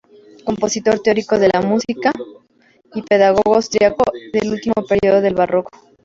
Compositor, teórico de la música y pedagogo austríaco del último periodo del Barroco.